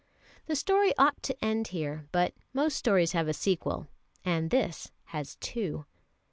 The story ought to end here; but most stories have a sequel, and this has two.